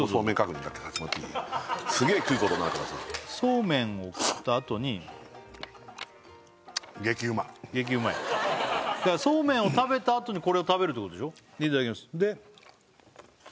ちょっとどうぞすげえ食うことになるからさそうめんを食ったあとに激うまいだからそうめんを食べたあとにこれを食べるってことでしょいただきます